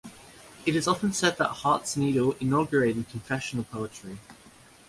It is often said that "Heart's Needle" inaugurated confessional poetry.